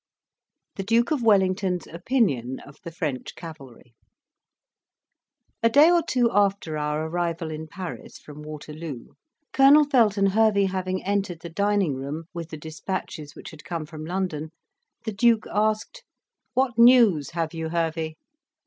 THE DUKE OF WELLINGTON'S OPINION OF THE FRENCH CAVALRY A day or two after our arrival in Paris from Waterloo, Colonel Felton Hervey having entered the dining room with the despatches which had come from London, the Duke asked, "What news have you, Hervey?"